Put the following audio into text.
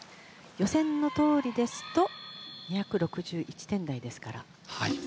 予選のとおりですと２６１点台ですから。